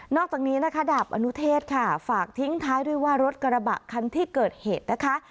อกจากนี้นะคะดาบอนุเทศค่ะฝากทิ้งท้ายด้วยว่ารถกระบะคันที่เกิดเหตุนะคะ